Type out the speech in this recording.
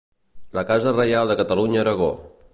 La casa reial de Catalunya-Aragó.